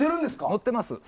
載ってます。